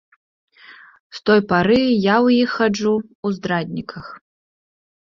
З той пары я ў іх хаджу ў здрадніках.